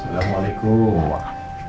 jangan lupa like share dan subscribe